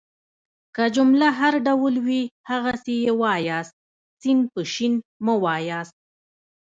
که جمله هر ډول وي هغسي يې وایاست. س په ش مه واياست.